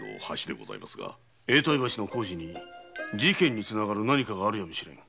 永代橋の工事に事件につながる何かがあるやもしれぬ。